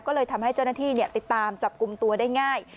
ก็เลยทำให้เจ้าหน้าที่ติดตามจับกลุ่มตัวได้ง่าย